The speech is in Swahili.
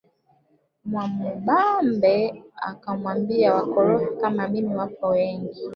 Mwamubambe akamwambia wakorofi kama mimi wapo wengi